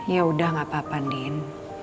ya udah gak apa apa diin